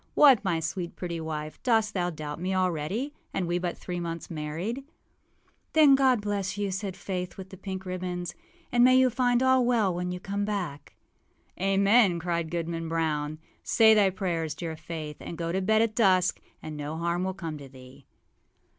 What, my sweet, pretty wife, dost thou doubt me already, and we but three months married?â âThen God bless you!â said Faith, with the pink ribbons; âand may you find all well when you come back.â âAmen!â cried Goodman Brown. âSay thy prayers, dear Faith, and go to bed at dusk, and no harm will come to thee.